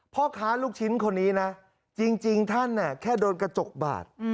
พ่อค้าลูกชิ้นคนนี้นะจริงท่านแค่โดนกระจกบาด